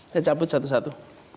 saya cabut satu satu